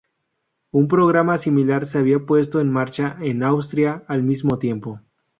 Un programa similar se había puesto en marcha en Austria al mismo tiempo.